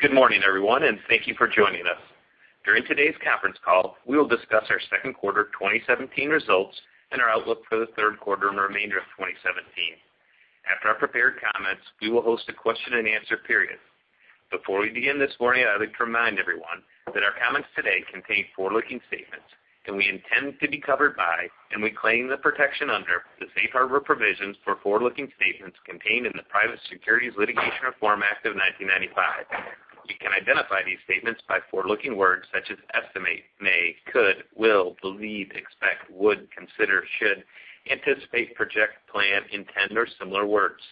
Good morning, everyone, and thank you for joining us. During today's conference call, we will discuss our second quarter 2017 results and our outlook for the third quarter and remainder of 2017. After our prepared comments, we will host a question and answer period. Before we begin this morning, I'd like to remind everyone that our comments today contain forward-looking statements, and we intend to be covered by, and we claim the protection under, the Safe Harbor provisions for forward-looking statements contained in the Private Securities Litigation Reform Act of 1995. You can identify these statements by forward-looking words such as estimate, may, could, will, believe, expect, would, consider, should, anticipate, project, plan, intend, or similar words.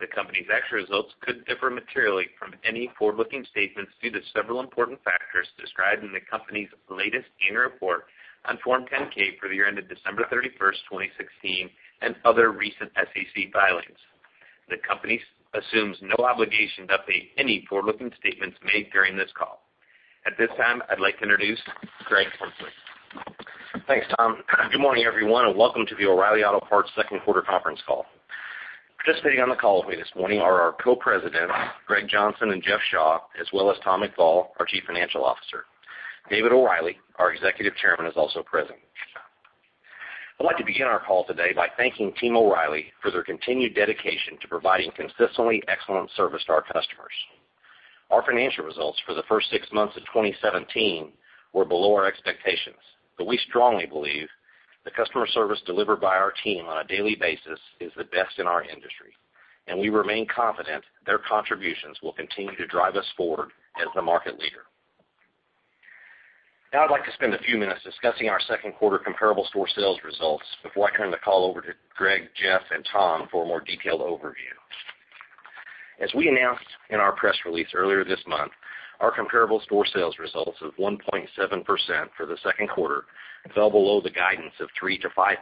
The company's actual results could differ materially from any forward-looking statements due to several important factors described in the company's latest annual report on Form 10-K for the year ended December 31st, 2016, and other recent SEC filings. The company assumes no obligation to update any forward-looking statements made during this call. At this time, I'd like to introduce Greg Henslee. Thanks, Tom. Good morning, everyone, and welcome to the O'Reilly Auto Parts second quarter conference call. Participating on the call with me this morning are our co-presidents, Greg Johnson and Jeff Shaw, as well as Tom McFall, our chief financial officer. David O'Reilly, our executive chairman, is also present. I'd like to begin our call today by thanking Team O'Reilly for their continued dedication to providing consistently excellent service to our customers. Our financial results for the first six months of 2017 were below our expectations, but we strongly believe the customer service delivered by our team on a daily basis is the best in our industry, and we remain confident their contributions will continue to drive us forward as the market leader. Now I'd like to spend a few minutes discussing our second quarter comparable store sales results before I turn the call over to Greg, Jeff, and Tom for a more detailed overview. As we announced in our press release earlier this month, our comparable store sales results of 1.7% for the second quarter fell below the guidance of 3%-5%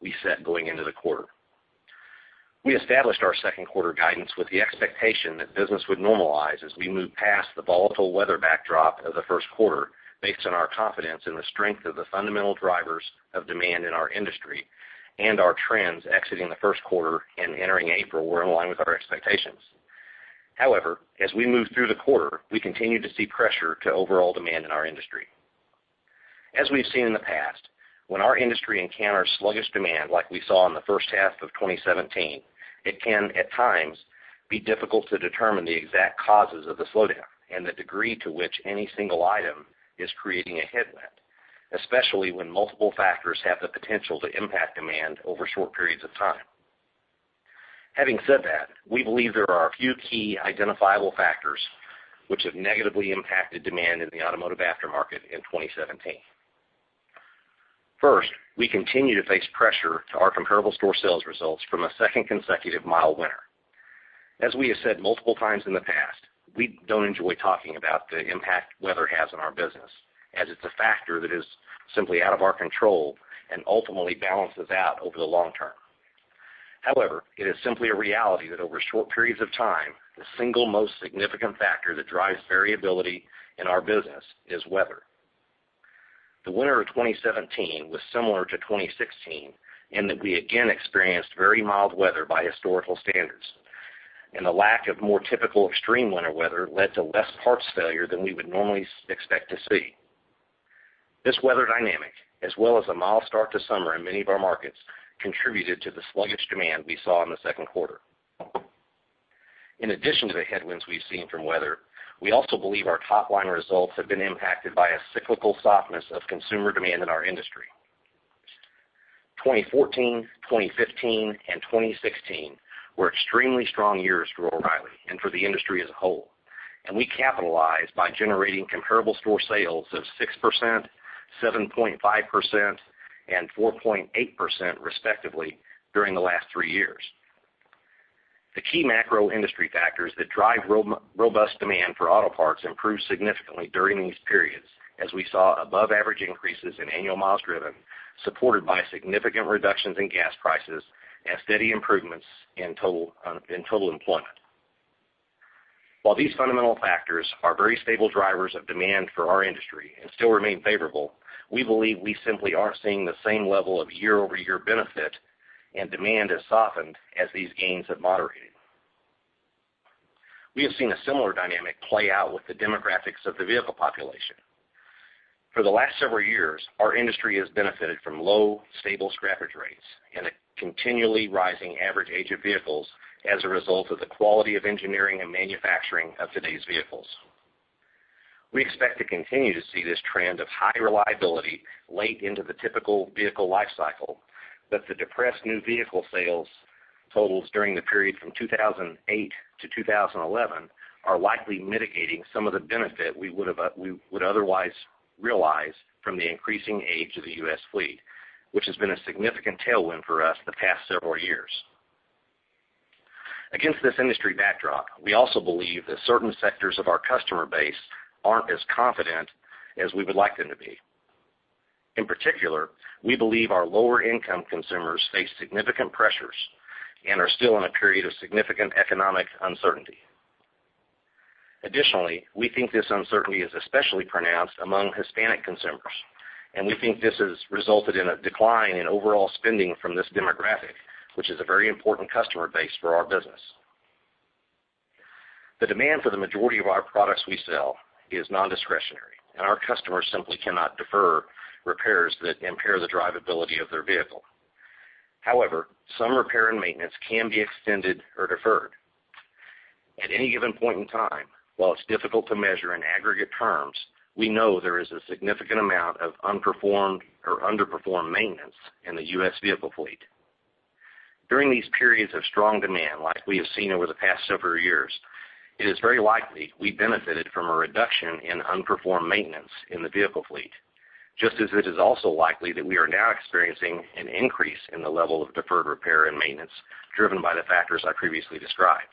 we set going into the quarter. We established our second quarter guidance with the expectation that business would normalize as we move past the volatile weather backdrop of the first quarter based on our confidence in the strength of the fundamental drivers of demand in our industry and our trends exiting the first quarter and entering April were in line with our expectations. However, as we moved through the quarter, we continued to see pressure to overall demand in our industry. As we've seen in the past, when our industry encounters sluggish demand like we saw in the first half of 2017, it can, at times, be difficult to determine the exact causes of the slowdown and the degree to which any single item is creating a headwind, especially when multiple factors have the potential to impact demand over short periods of time. Having said that, we believe there are a few key identifiable factors which have negatively impacted demand in the automotive aftermarket in 2017. First, we continue to face pressure to our comparable store sales results from a second consecutive mild winter. As we have said multiple times in the past, we don't enjoy talking about the impact weather has on our business, as it's a factor that is simply out of our control and ultimately balances out over the long term. However, it is simply a reality that over short periods of time, the single most significant factor that drives variability in our business is weather. The winter of 2017 was similar to 2016 in that we again experienced very mild weather by historical standards, and the lack of more typical extreme winter weather led to less parts failure than we would normally expect to see. This weather dynamic, as well as a mild start to summer in many of our markets, contributed to the sluggish demand we saw in the second quarter. In addition to the headwinds we've seen from weather, we also believe our top-line results have been impacted by a cyclical softness of consumer demand in our industry. 2014, 2015, and 2016 were extremely strong years for O'Reilly and for the industry as a whole, and we capitalized by generating comparable store sales of 6%, 7.5%, and 4.8%, respectively, during the last three years. The key macro industry factors that drive robust demand for auto parts improved significantly during these periods, as we saw above-average increases in annual miles driven, supported by significant reductions in gas prices and steady improvements in total employment. While these fundamental factors are very stable drivers of demand for our industry and still remain favorable, we believe we simply aren't seeing the same level of year-over-year benefit, and demand has softened as these gains have moderated. We have seen a similar dynamic play out with the demographics of the vehicle population. For the last several years, our industry has benefited from low, stable scrappage rates and a continually rising average age of vehicles as a result of the quality of engineering and manufacturing of today's vehicles. We expect to continue to see this trend of high reliability late into the typical vehicle life cycle, but the depressed new vehicle sales totals during the period from 2008 to 2011 are likely mitigating some of the benefit we would otherwise realize from the increasing age of the U.S. fleet, which has been a significant tailwind for us the past several years. Against this industry backdrop, we also believe that certain sectors of our customer base aren't as confident as we would like them to be. In particular, we believe our lower-income consumers face significant pressures and are still in a period of significant economic uncertainty. Additionally, we think this uncertainty is especially pronounced among Hispanic consumers. We think this has resulted in a decline in overall spending from this demographic, which is a very important customer base for our business. The demand for the majority of our products we sell is non-discretionary, and our customers simply cannot defer repairs that impair the drivability of their vehicle. However, some repair and maintenance can be extended or deferred. At any given point in time, while it's difficult to measure in aggregate terms, we know there is a significant amount of unperformed or underperformed maintenance in the U.S. vehicle fleet. During these periods of strong demand, like we have seen over the past several years, it is very likely we benefited from a reduction in unperformed maintenance in the vehicle fleet, just as it is also likely that we are now experiencing an increase in the level of deferred repair and maintenance driven by the factors I previously described.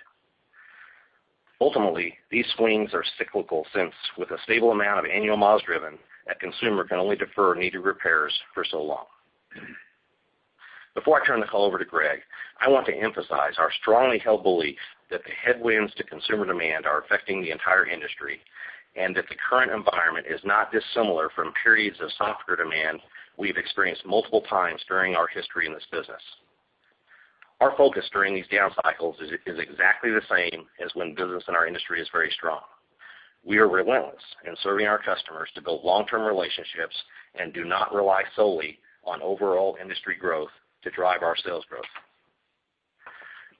Ultimately, these swings are cyclical since, with a stable amount of annual miles driven, a consumer can only defer needed repairs for so long. Before I turn the call over to Greg, I want to emphasize our strongly held belief that the headwinds to consumer demand are affecting the entire industry, and that the current environment is not dissimilar from periods of softer demand we've experienced multiple times during our history in this business. Our focus during these down cycles is exactly the same as when business in our industry is very strong. We are relentless in serving our customers to build long-term relationships and do not rely solely on overall industry growth to drive our sales growth.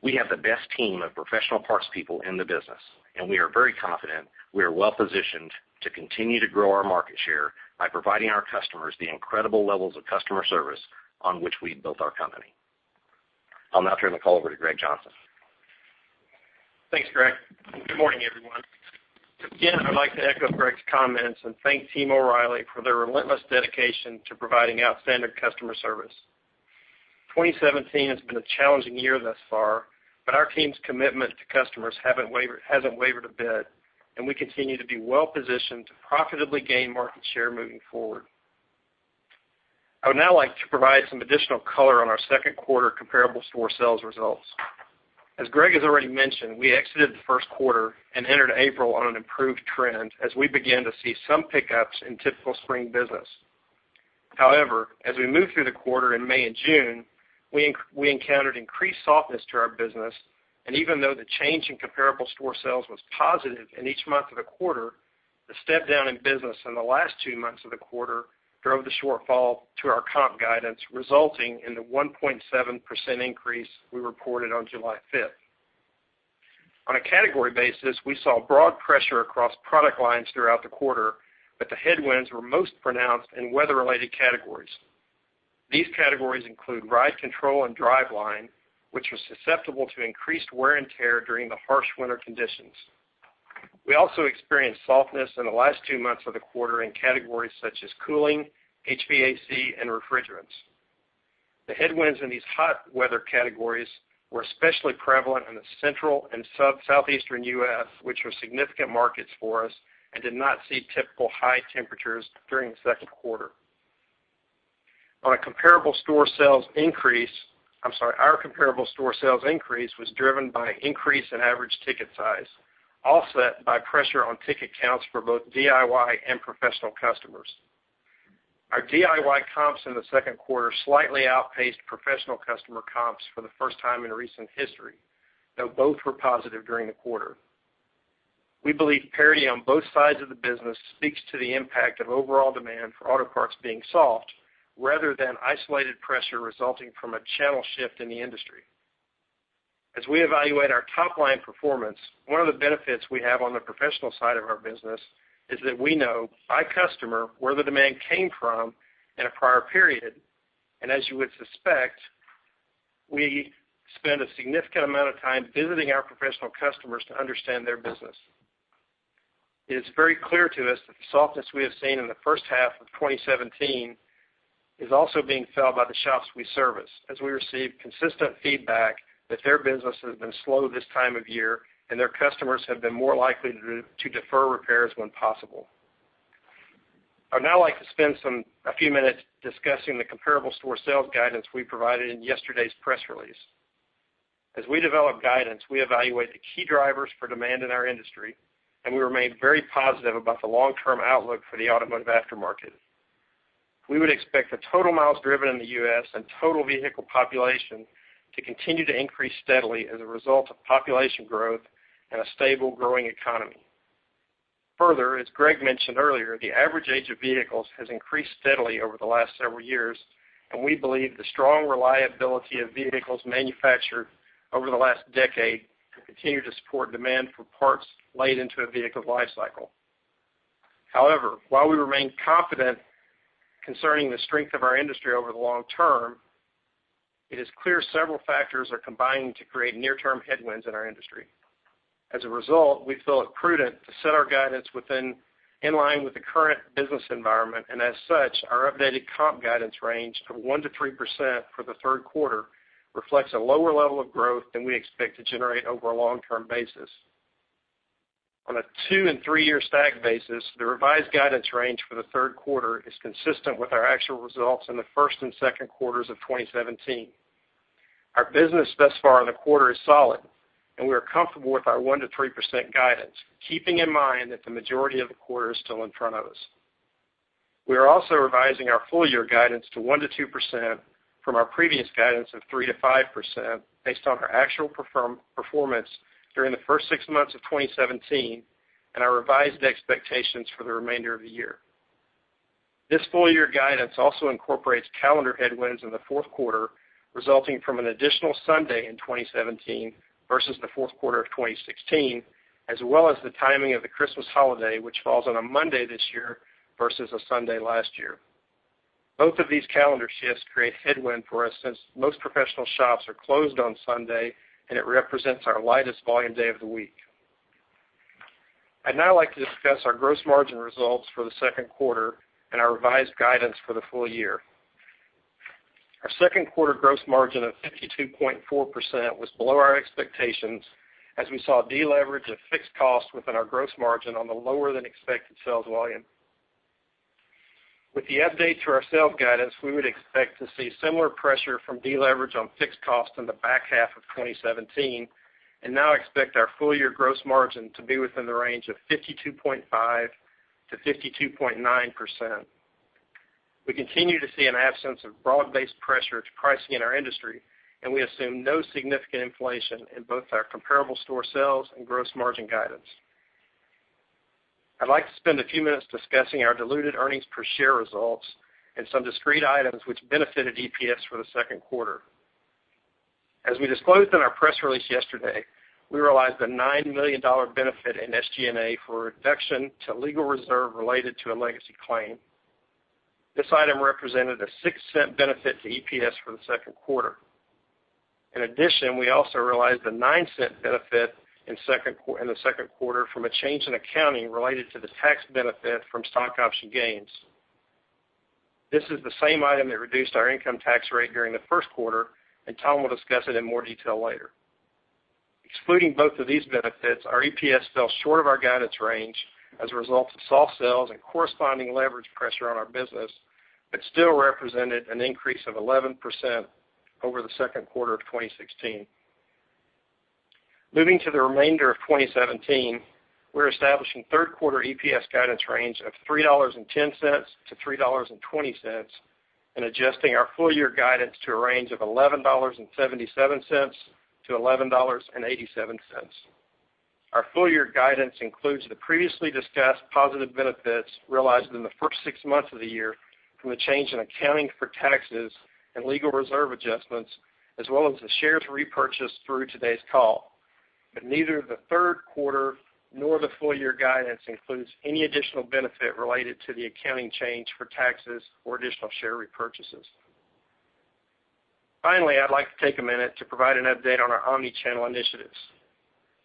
We have the best team of professional parts people in the business, and we are very confident we are well-positioned to continue to grow our market share by providing our customers the incredible levels of customer service on which we've built our company. I'll now turn the call over to Greg Johnson. Thanks, Greg. Good morning, everyone. Again, I'd like to echo Greg's comments and thank Team O'Reilly for their relentless dedication to providing outstanding customer service. 2017 has been a challenging year thus far, our team's commitment to customers hasn't wavered a bit, we continue to be well-positioned to profitably gain market share moving forward. I would now like to provide some additional color on our second quarter comparable store sales results. As Greg has already mentioned, we exited the first quarter and entered April on an improved trend as we began to see some pickups in typical spring business. However, as we moved through the quarter in May and June, we encountered increased softness to our business, and even though the change in comparable store sales was positive in each month of the quarter, the step-down in business in the last two months of the quarter drove the shortfall to our comp guidance, resulting in the 1.7% increase we reported on July 5th. On a category basis, we saw broad pressure across product lines throughout the quarter, but the headwinds were most pronounced in weather-related categories. These categories include ride control and driveline, which were susceptible to increased wear and tear during the harsh winter conditions. We also experienced softness in the last two months of the quarter in categories such as cooling, HVAC, and refrigerants. The headwinds in these hot weather categories were especially prevalent in the central and southeastern U.S., which are significant markets for us and did not see typical high temperatures during the second quarter. Our comparable store sales increase was driven by an increase in average ticket size, offset by pressure on ticket counts for both DIY and professional customers. Our DIY comps in the second quarter slightly outpaced professional customer comps for the first time in recent history, though both were positive during the quarter. We believe parity on both sides of the business speaks to the impact of overall demand for auto parts being soft, rather than isolated pressure resulting from a channel shift in the industry. As we evaluate our top-line performance, one of the benefits we have on the professional side of our business is that we know by customer where the demand came from in a prior period, and as you would suspect, we spend a significant amount of time visiting our professional customers to understand their business. It is very clear to us that the softness we have seen in the first half of 2017 is also being felt by the shops we service, as we receive consistent feedback that their business has been slow this time of year, and their customers have been more likely to defer repairs when possible. I'd now like to spend a few minutes discussing the comparable store sales guidance we provided in yesterday's press release. As we develop guidance, we evaluate the key drivers for demand in our industry, and we remain very positive about the long-term outlook for the automotive aftermarket. We would expect the total miles driven in the U.S. and total vehicle population to continue to increase steadily as a result of population growth and a stable growing economy. Further, as Greg mentioned earlier, the average age of vehicles has increased steadily over the last several years, and we believe the strong reliability of vehicles manufactured over the last decade will continue to support demand for parts late into a vehicle's life cycle. However, while we remain confident concerning the strength of our industry over the long term, it is clear several factors are combining to create near-term headwinds in our industry. As a result, we feel it prudent to set our guidance in line with the current business environment. As such, our updated comp guidance range of 1%-3% for the third quarter reflects a lower level of growth than we expect to generate over a long-term basis. On a two- and three-year stacked basis, the revised guidance range for the third quarter is consistent with our actual results in the first and second quarters of 2017. Our business thus far in the quarter is solid, and we are comfortable with our 1%-3% guidance, keeping in mind that the majority of the quarter is still in front of us. We are also revising our full-year guidance to 1%-2% from our previous guidance of 3%-5%, based on our actual performance during the first six months of 2017 and our revised expectations for the remainder of the year. This full-year guidance also incorporates calendar headwinds in the fourth quarter, resulting from an additional Sunday in 2017 versus the fourth quarter of 2016, as well as the timing of the Christmas holiday, which falls on a Monday this year versus a Sunday last year. Both of these calendar shifts create headwind for us since most professional shops are closed on Sunday. It represents our lightest volume day of the week. I'd now like to discuss our gross margin results for the second quarter and our revised guidance for the full year. Our second quarter gross margin of 52.4% was below our expectations as we saw deleverage of fixed costs within our gross margin on the lower-than-expected sales volume. With the update to our sales guidance, we would expect to see similar pressure from deleverage on fixed costs in the back half of 2017 and now expect our full-year gross margin to be within the range of 52.5%-52.9%. We continue to see an absence of broad-based pressure to pricing in our industry. We assume no significant inflation in both our comparable store sales and gross margin guidance. I'd like to spend a few minutes discussing our diluted earnings per share results and some discrete items which benefited EPS for the second quarter. As we disclosed in our press release yesterday, we realized a $9 million benefit in SG&A for a reduction to legal reserve related to a legacy claim. This item represented a $0.06 benefit to EPS for the second quarter. In addition, we also realized a $0.09 benefit in the second quarter from a change in accounting related to the tax benefit from stock option gains. This is the same item that reduced our income tax rate during the first quarter. Tom will discuss it in more detail later. Excluding both of these benefits, our EPS fell short of our guidance range as a result of soft sales and corresponding leverage pressure on our business, but still represented an increase of 11% over the second quarter of 2016. Moving to the remainder of 2017, we're establishing third quarter EPS guidance range of $3.10-$3.20 and adjusting our full-year guidance to a range of $11.77-$11.87. Our full-year guidance includes the previously discussed positive benefits realized in the first six months of the year from a change in accounting for taxes and legal reserve adjustments, as well as the shares repurchased through today's call. Neither the third quarter nor the full-year guidance includes any additional benefit related to the accounting change for taxes or additional share repurchases. Finally, I'd like to take a minute to provide an update on our omnichannel initiatives.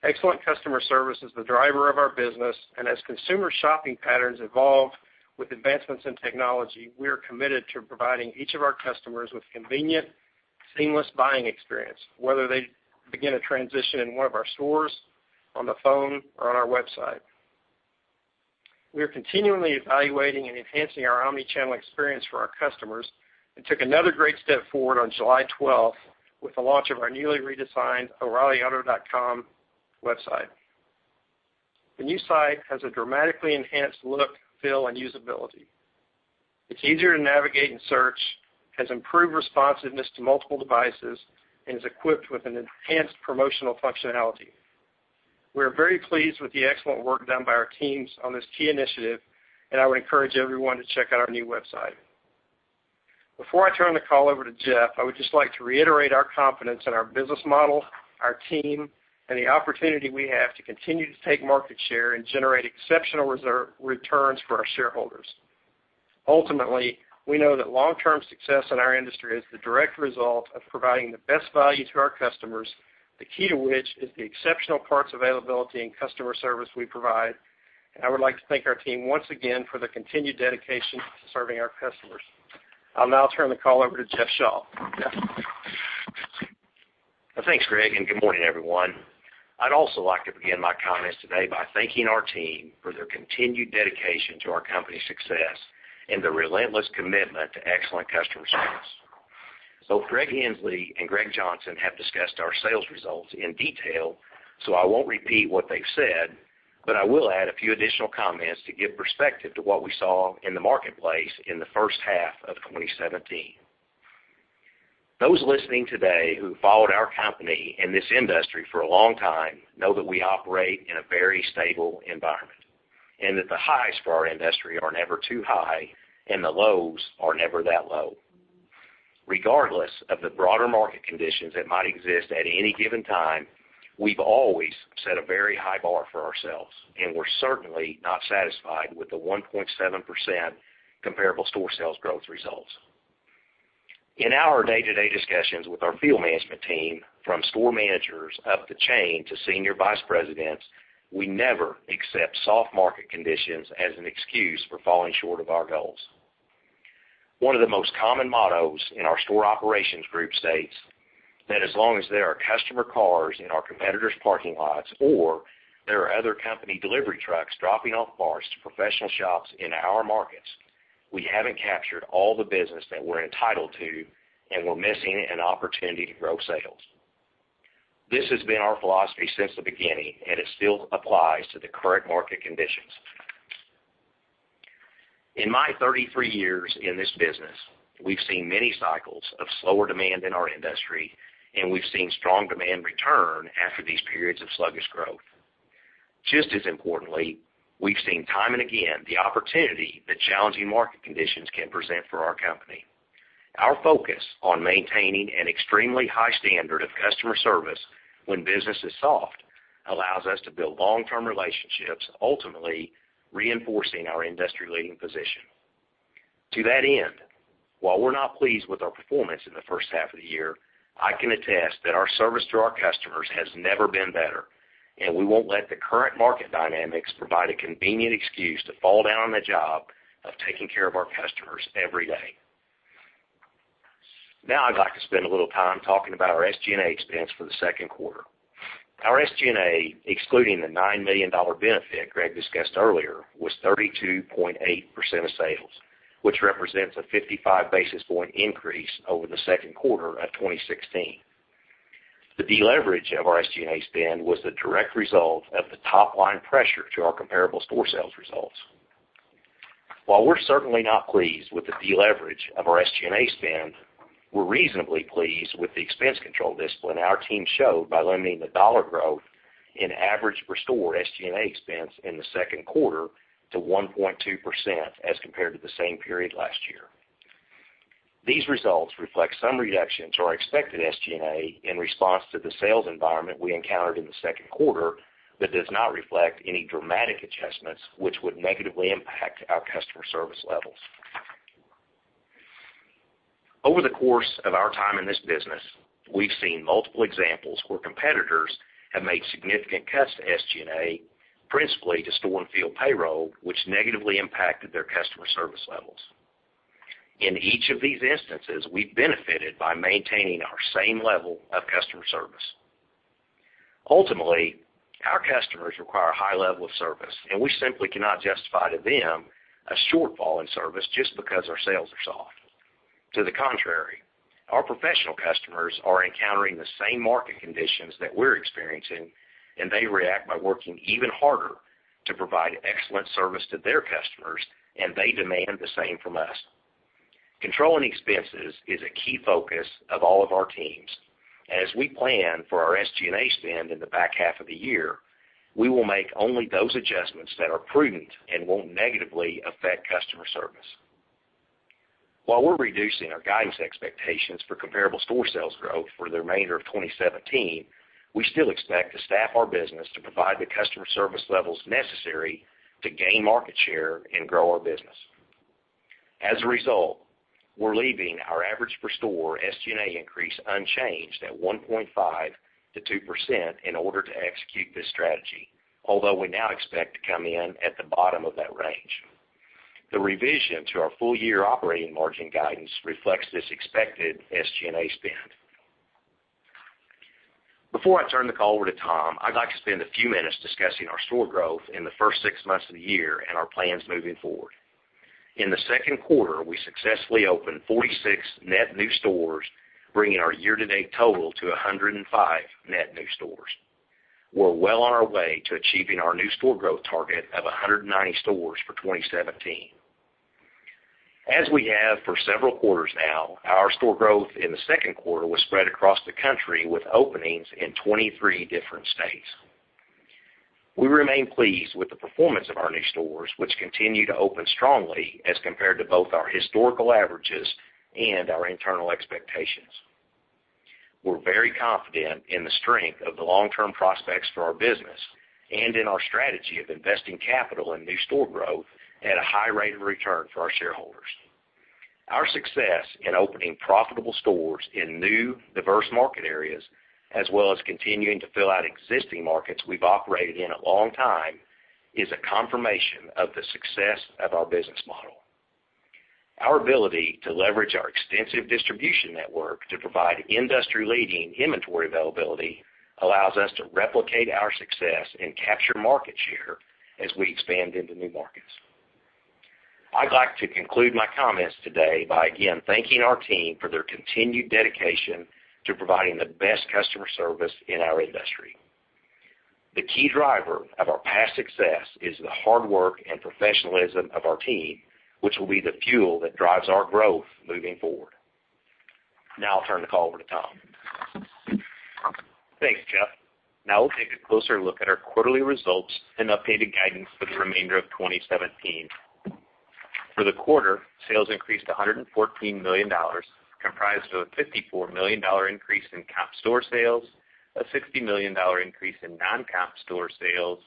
Excellent customer service is the driver of our business, and as consumer shopping patterns evolve with advancements in technology, we are committed to providing each of our customers with convenient, seamless buying experience, whether they begin a transition in one of our stores, on the phone or on our website. We are continually evaluating and enhancing our omnichannel experience for our customers and took another great step forward on July 12th with the launch of our newly redesigned oreillyauto.com website. The new site has a dramatically enhanced look, feel, and usability. It's easier to navigate and search, has improved responsiveness to multiple devices, and is equipped with an enhanced promotional functionality. We are very pleased with the excellent work done by our teams on this key initiative, and I would encourage everyone to check out our new website. Before I turn the call over to Jeff, I would just like to reiterate our confidence in our business model, our team, and the opportunity we have to continue to take market share and generate exceptional returns for our shareholders. Ultimately, we know that long-term success in our industry is the direct result of providing the best value to our customers, the key to which is the exceptional parts availability and customer service we provide, and I would like to thank our team once again for the continued dedication to serving our customers. I'll now turn the call over to Jeff Shaw. Jeff? Thanks, Greg, and good morning, everyone. I'd also like to begin my comments today by thanking our team for their continued dedication to our company's success and the relentless commitment to excellent customer service. Both Greg Henslee and Greg Johnson have discussed our sales results in detail, so I won't repeat what they've said, but I will add a few additional comments to give perspective to what we saw in the marketplace in the first half of 2017. Those listening today who followed our company and this industry for a long time know that we operate in a very stable environment, and that the highs for our industry are never too high and the lows are never that low. Regardless of the broader market conditions that might exist at any given time, we've always set a very high bar for ourselves, and we're certainly not satisfied with the 1.7% comparable store sales growth results. In our day-to-day discussions with our field management team, from store managers up the chain to Senior Vice Presidents, we never accept soft market conditions as an excuse for falling short of our goals. One of the most common mottos in our store operations group states that as long as there are customer cars in our competitors' parking lots or there are other company delivery trucks dropping off parts to professional shops in our markets. We haven't captured all the business that we're entitled to, and we're missing an opportunity to grow sales. This has been our philosophy since the beginning, and it still applies to the current market conditions. In my 33 years in this business, we've seen many cycles of slower demand in our industry, and we've seen strong demand return after these periods of sluggish growth. Just as importantly, we've seen time and again the opportunity that challenging market conditions can present for our company. Our focus on maintaining an extremely high standard of customer service when business is soft allows us to build long-term relationships, ultimately reinforcing our industry-leading position. To that end, while we're not pleased with our performance in the first half of the year, I can attest that our service to our customers has never been better, and we won't let the current market dynamics provide a convenient excuse to fall down on the job of taking care of our customers every day. I'd like to spend a little time talking about our SG&A expense for the second quarter. Our SG&A, excluding the $9 million benefit Greg discussed earlier, was 32.8% of sales, which represents a 55 basis point increase over the second quarter of 2016. The deleverage of our SG&A spend was the direct result of the top-line pressure to our comparable store sales results. While we're certainly not pleased with the deleverage of our SG&A spend, we're reasonably pleased with the expense control discipline our team showed by limiting the dollar growth in average per store SG&A expense in the second quarter to 1.2% as compared to the same period last year. These results reflect some reductions to our expected SG&A in response to the sales environment we encountered in the second quarter that does not reflect any dramatic adjustments which would negatively impact our customer service levels. Over the course of our time in this business, we've seen multiple examples where competitors have made significant cuts to SG&A, principally to store and field payroll, which negatively impacted their customer service levels. In each of these instances, we've benefited by maintaining our same level of customer service. Ultimately, our customers require a high level of service, and we simply cannot justify to them a shortfall in service just because our sales are soft. To the contrary, our professional customers are encountering the same market conditions that we're experiencing, and they react by working even harder to provide excellent service to their customers, and they demand the same from us. Controlling expenses is a key focus of all of our teams. As we plan for our SG&A spend in the back half of the year, we will make only those adjustments that are prudent and won't negatively affect customer service. While we're reducing our guidance expectations for comparable store sales growth for the remainder of 2017, we still expect to staff our business to provide the customer service levels necessary to gain market share and grow our business. As a result, we're leaving our average per-store SG&A increase unchanged at 1.5%-2% in order to execute this strategy. Although we now expect to come in at the bottom of that range. The revision to our full year operating margin guidance reflects this expected SG&A spend. Before I turn the call over to Tom, I'd like to spend a few minutes discussing our store growth in the first six months of the year and our plans moving forward. In the second quarter, we successfully opened 46 net new stores, bringing our year-to-date total to 105 net new stores. We're well on our way to achieving our new store growth target of 190 stores for 2017. As we have for several quarters now, our store growth in the second quarter was spread across the country with openings in 23 different states. We remain pleased with the performance of our new stores, which continue to open strongly as compared to both our historical averages and our internal expectations. We're very confident in the strength of the long-term prospects for our business and in our strategy of investing capital in new store growth at a high rate of return for our shareholders. Our success in opening profitable stores in new, diverse market areas, as well as continuing to fill out existing markets we've operated in a long time, is a confirmation of the success of our business model. Our ability to leverage our extensive distribution network to provide industry-leading inventory availability allows us to replicate our success and capture market share as we expand into new markets. I'd like to conclude my comments today by again thanking our team for their continued dedication to providing the best customer service in our industry. The key driver of our past success is the hard work and professionalism of our team, which will be the fuel that drives our growth moving forward. I'll turn the call over to Tom. Thanks, Jeff. We'll take a closer look at our quarterly results and updated guidance for the remainder of 2017. For the quarter, sales increased to $114 million, comprised of a $54 million increase in comp store sales, a $60 million increase in non-comp store sales,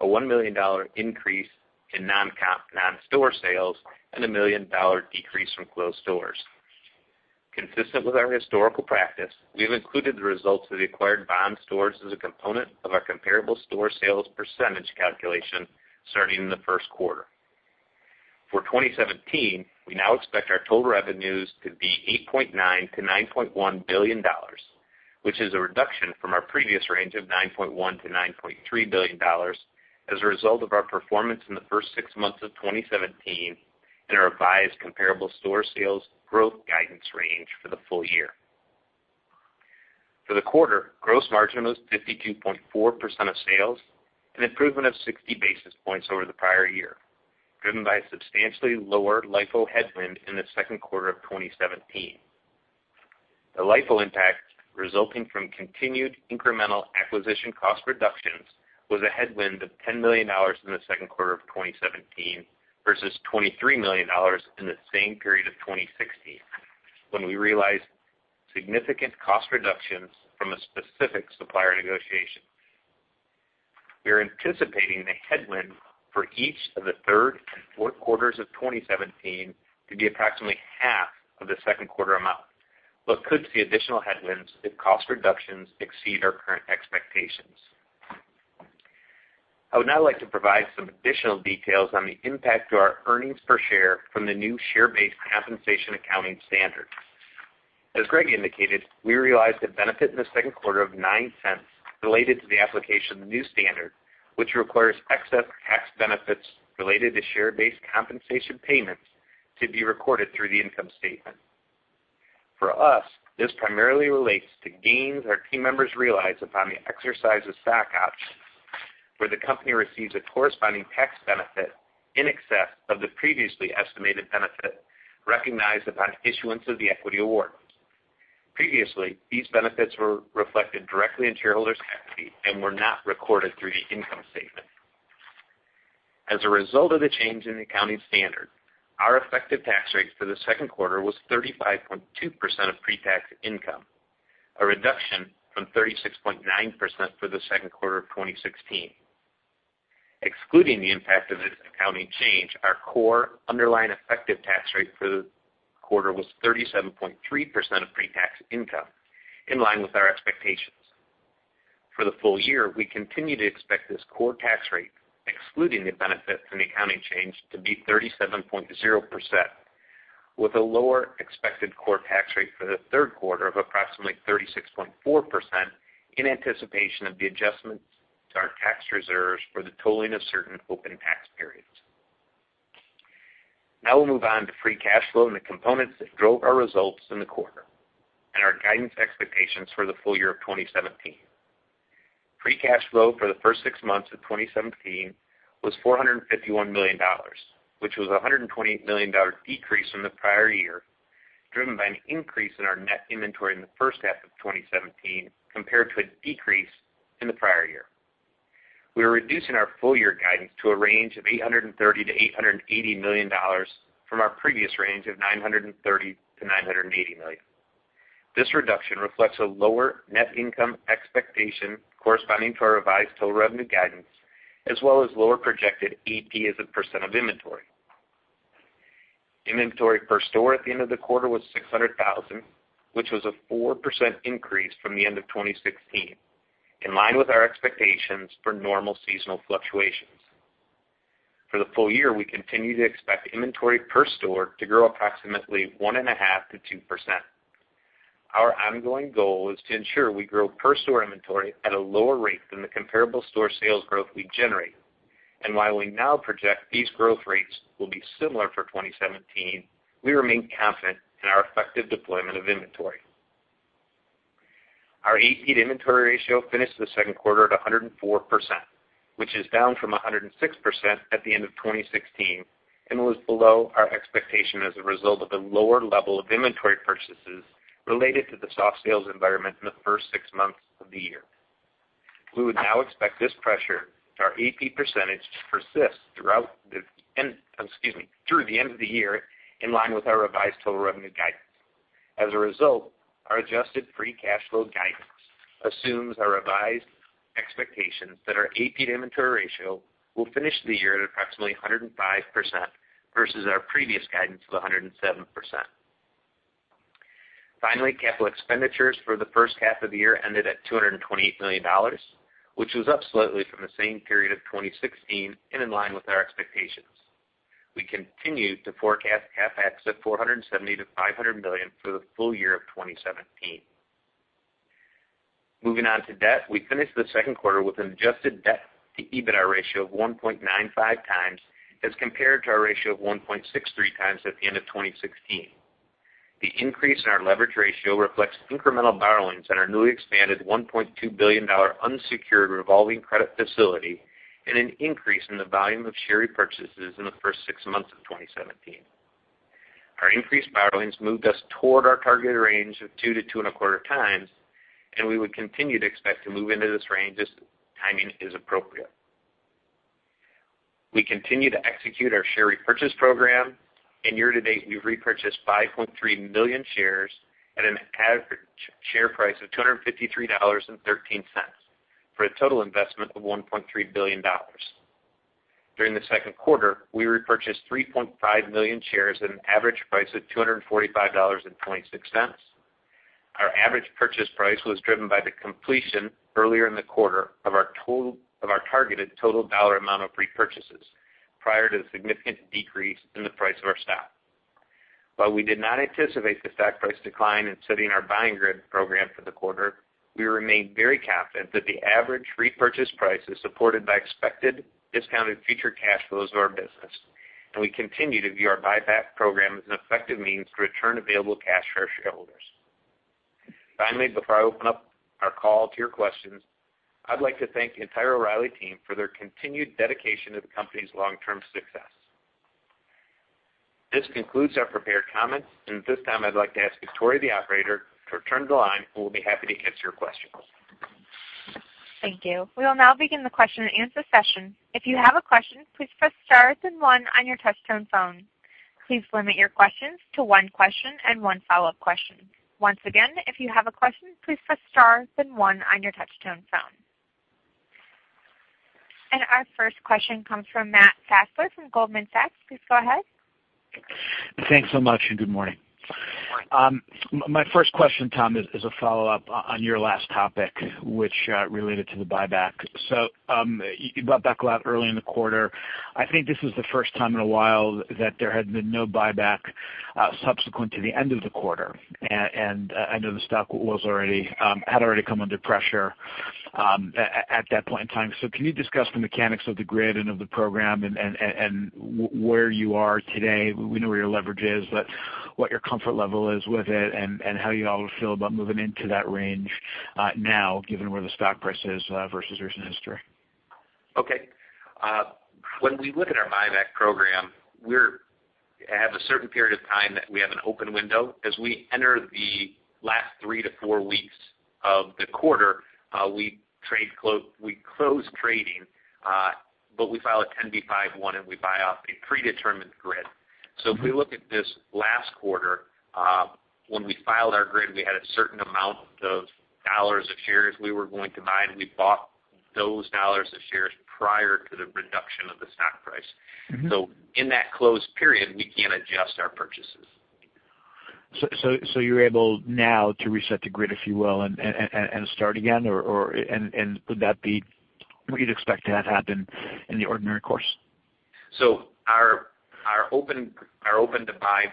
a $1 million increase in non-comp non-store sales, and a $1 million decrease from closed stores. Consistent with our historical practice, we have included the results of the acquired Bond stores as a component of our comparable store sales percentage calculation starting in the first quarter. For 2017, we now expect our total revenues to be $8.9 billion-$9.1 billion, which is a reduction from our previous range of $9.1 billion-$9.3 billion as a result of our performance in the first six months of 2017 and our revised comparable store sales growth guidance range for the full year. For the quarter, gross margin was 52.4% of sales, an improvement of 60 basis points over the prior year, driven by a substantially lower LIFO headwind in the second quarter of 2017. The LIFO impact resulting from continued incremental acquisition cost reductions was a headwind of $10 million in the second quarter of 2017 versus $23 million in the same period of 2016, when we realized significant cost reductions from a specific supplier negotiation. We are anticipating the headwind for each of the third and fourth quarters of 2017 to be approximately half of the second quarter amount, but could see additional headwinds if cost reductions exceed our current expectations. I would now like to provide some additional details on the impact to our earnings per share from the new share-based compensation accounting standard. As Greg indicated, we realized a benefit in the second quarter of $0.09 related to the application of the new standard, which requires excess tax benefits related to share-based compensation payments to be recorded through the income statement. For us, this primarily relates to gains our team members realize upon the exercise of stock options, where the company receives a corresponding tax benefit in excess of the previously estimated benefit recognized upon issuance of the equity award. Previously, these benefits were reflected directly in shareholder's equity and were not recorded through the income statement. As a result of the change in accounting standard, our effective tax rate for the second quarter was 35.2% of pre-tax income, a reduction from 36.9% for the second quarter of 2016. Excluding the impact of this accounting change, our core underlying effective tax rate for the quarter was 37.3% of pre-tax income, in line with our expectations. For the full year, we continue to expect this core tax rate, excluding the benefit from the accounting change, to be 37.0%, with a lower expected core tax rate for the third quarter of approximately 36.4% in anticipation of the adjustments to our tax reserves for the totaling of certain open tax periods. We'll move on to free cash flow and the components that drove our results in the quarter, and our guidance expectations for the full year of 2017. Free cash flow for the first six months of 2017 was $451 million, which was a $128 million decrease from the prior year, driven by an increase in our net inventory in the first half of 2017 compared to a decrease in the prior year. We are reducing our full year guidance to a range of $830 million-$880 million from our previous range of $930 million-$980 million. This reduction reflects a lower net income expectation corresponding to our revised total revenue guidance, as well as lower projected AP as a percent of inventory. Inventory per store at the end of the quarter was 600,000, which was a 4% increase from the end of 2016, in line with our expectations for normal seasonal fluctuations. For the full year, we continue to expect inventory per store to grow approximately 1.5%-2%. Our ongoing goal is to ensure we grow per store inventory at a lower rate than the comparable store sales growth we generate. While we now project these growth rates will be similar for 2017, we remain confident in our effective deployment of inventory. Our AP to inventory ratio finished the second quarter at 104%, which is down from 106% at the end of 2016, and was below our expectation as a result of the lower level of inventory purchases related to the soft sales environment in the first six months of the year. We would now expect this pressure to our AP percentage to persist through the end of the year, in line with our revised total revenue guidance. As a result, our adjusted free cash flow guidance assumes our revised expectations that our AP to inventory ratio will finish the year at approximately 105% versus our previous guidance of 107%. Finally, capital expenditures for the first half of the year ended at $228 million, which was up slightly from the same period of 2016 and in line with our expectations. We continue to forecast CapEx of $470 million-$500 million for the full year of 2017. Moving on to debt, we finished the second quarter with an adjusted debt to EBITDA ratio of 1.95 times as compared to our ratio of 1.63 times at the end of 2016. The increase in our leverage ratio reflects incremental borrowings on our newly expanded $1.2 billion unsecured revolving credit facility and an increase in the volume of share repurchases in the first six months of 2017. Our increased borrowings moved us toward our targeted range of 2 to 2.25 times. We would continue to expect to move into this range as timing is appropriate. We continue to execute our share repurchase program. In year to date, we've repurchased 5.3 million shares at an average share price of $253.13 for a total investment of $1.3 billion. During the second quarter, we repurchased 3.5 million shares at an average price of $245.26. Our average purchase price was driven by the completion earlier in the quarter of our targeted total dollar amount of repurchases prior to the significant decrease in the price of our stock. We did not anticipate the stock price decline in setting our buying grid program for the quarter, we remain very confident that the average repurchase price is supported by expected discounted future cash flows of our business. We continue to view our buyback program as an effective means to return available cash for our shareholders. Finally, before I open up our call to your questions, I'd like to thank the entire O'Reilly team for their continued dedication to the company's long-term success. This concludes our prepared comments. At this time, I'd like to ask Victoria, the operator, to return to the line, and we'll be happy to answer your questions. Thank you. We will now begin the question and answer session. If you have a question, please press star then one on your touch-tone phone. Please limit your questions to one question and one follow-up question. Once again, if you have a question, please press star then one on your touch-tone phone. Our first question comes from Matt Fassler from Goldman Sachs. Please go ahead. Thanks so much, good morning. Good morning. My first question, Tom, is a follow-up on your last topic, which related to the buyback. You bought back a lot early in the quarter. I think this is the first time in a while that there had been no buyback subsequent to the end of the quarter. I know the stock had already come under pressure at that point in time. Can you discuss the mechanics of the grid and of the program and where you are today? We know where your leverage is, but what your comfort level is with it and how you all feel about moving into that range now, given where the stock price is versus recent history. Okay. When we look at our buyback program, we have a certain period of time that we have an open window. As we enter the last 3 to 4 weeks of the quarter, we close trading, but we file a 10b5-1, and we buy off a predetermined grid. If we look at this last quarter, when we filed our grid, we had a certain amount of $ of shares we were going to buy, and we bought those $ of shares prior to the reduction of the stock price. In that closed period, we can't adjust our purchases. You're able now to reset the grid, if you will, and start again, or would that be what you'd expect to have happen in the ordinary course? Our open to buy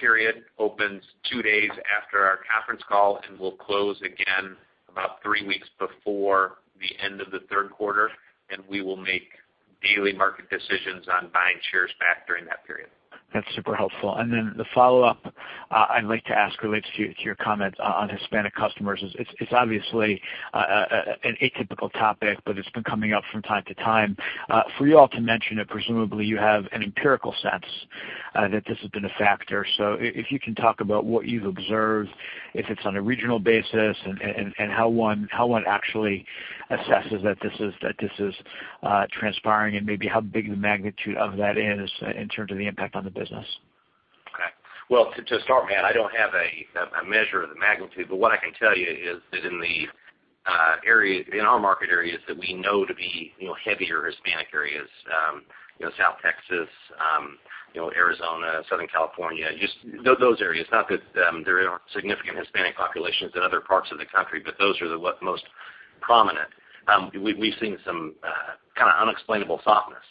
period opens two days after our conference call and will close again about three weeks before the end of the third quarter, and we will make daily market decisions on buying shares back during that period. That's super helpful. The follow-up I'd like to ask relates to your comments on Hispanic customers. It's obviously an atypical topic, but it's been coming up from time to time. For you all to mention it, presumably you have an empirical sense that this has been a factor. If you can talk about what you've observed, if it's on a regional basis and how one actually assesses that this is transpiring, and maybe how big the magnitude of that is in terms of the impact on the business. Okay. Well, to start, Matt, I don't have a measure of the magnitude, but what I can tell you is that in our market areas that we know to be heavier Hispanic areas, South Texas, Arizona, Southern California, just those areas. Not that there aren't significant Hispanic populations in other parts of the country, but those are the most prominent. We've seen some kind of unexplainable softness.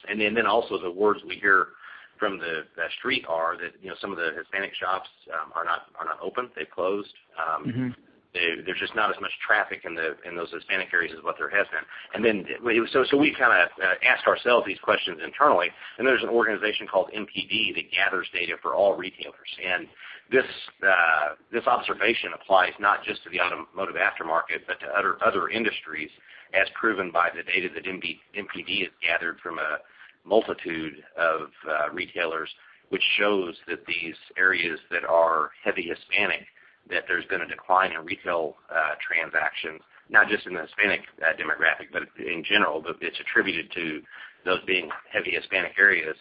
Also the words we hear from the street are that some of the Hispanic shops are not open. They've closed. There's just not as much traffic in those Hispanic areas as what there has been. We've kind of asked ourselves these questions internally, and there's an organization called NPD that gathers data for all retailers. This observation applies not just to the automotive aftermarket, but to other industries, as proven by the data that NPD has gathered from a multitude of retailers, which shows that these areas that are heavy Hispanic, that there's been a decline in retail transactions, not just in the Hispanic demographic, but in general. It's attributed to those being heavy Hispanic areas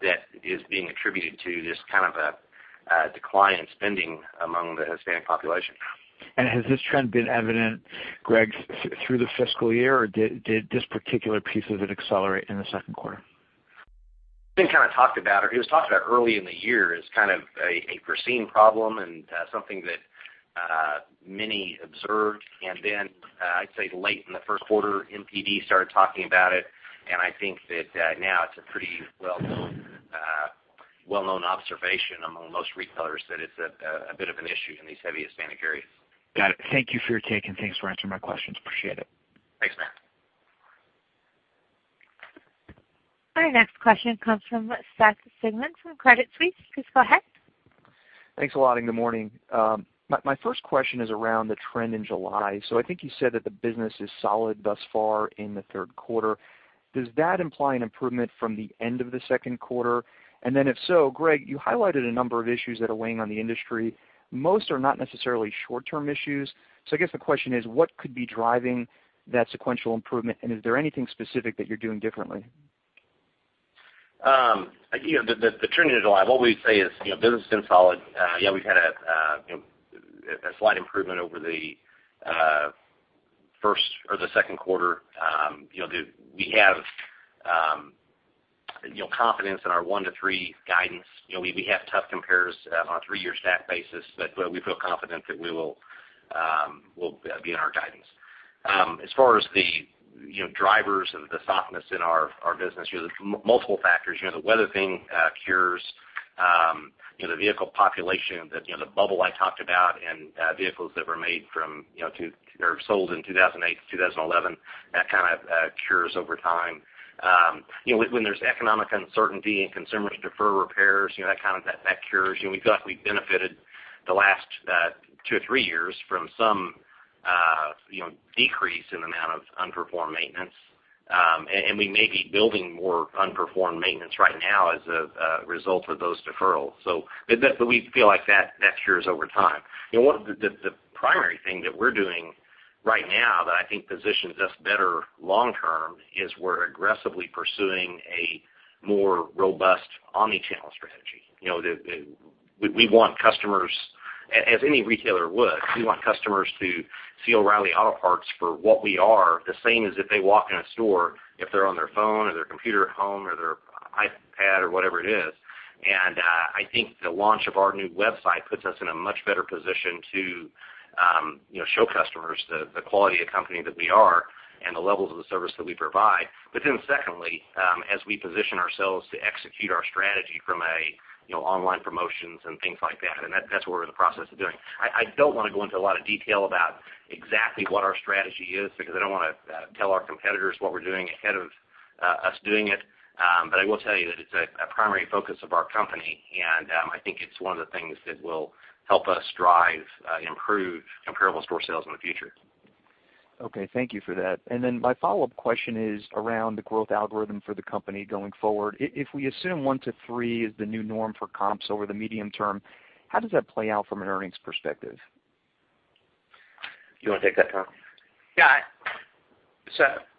that is being attributed to this kind of a decline in spending among the Hispanic population. Has this trend been evident, Greg, through the fiscal year, or did this particular piece of it accelerate in the second quarter? It's been kind of talked about, or it was talked about early in the year as kind of a foreseen problem and something that many observed. Then I'd say late in the first quarter, NPD started talking about it, and I think that now it's a pretty well-known observation among most retailers that it's a bit of an issue in these heavy Hispanic areas. Got it. Thank you for your take, and thanks for answering my questions. Appreciate it. Thanks, Matt. Our next question comes from Seth Sigman from Credit Suisse. Please go ahead. Thanks a lot, good morning. My first question is around the trend in July. I think you said that the business is solid thus far in the third quarter. Does that imply an improvement from the end of the second quarter? If so, Greg, you highlighted a number of issues that are weighing on the industry. Most are not necessarily short-term issues. I guess the question is, what could be driving that sequential improvement, and is there anything specific that you're doing differently? The trend in July, what we say is business has been solid. We've had a slight improvement over the first or the second quarter. We have confidence in our 1%-3% guidance. We have tough compares on a three-year stack basis, we feel confident that we'll be in our guidance. As far as the drivers of the softness in our business, there's multiple factors. The weather thing cures, the vehicle population, the bubble I talked about. Vehicles that were made from, or sold in 2008 to 2011, that kind of cures over time. When there's economic uncertainty and consumers defer repairs, that cures. We feel like we benefited the last 2-3 years from some decrease in amount of unperformed maintenance. We may be building more unperformed maintenance right now as a result of those deferrals. We feel like that cures over time. The primary thing that we're doing right now that I think positions us better long-term is we're aggressively pursuing a more robust omni-channel strategy. We want customers, as any retailer would, we want customers to see O'Reilly Auto Parts for what we are the same as if they walk in a store, if they're on their phone or their computer at home or their iPad or whatever it is. I think the launch of our new website puts us in a much better position to show customers the quality of company that we are and the levels of the service that we provide. Secondly, as we position ourselves to execute our strategy from online promotions and things like that's what we're in the process of doing. I don't want to go into a lot of detail about exactly what our strategy is, because I don't want to tell our competitors what we're doing ahead of us doing it. I will tell you that it's a primary focus of our company, and I think it's one of the things that will help us drive improved comparable store sales in the future. Okay. Thank you for that. My follow-up question is around the growth algorithm for the company going forward. If we assume 1%-3% is the new norm for comps over the medium term, how does that play out from an earnings perspective? You want to take that, Tom?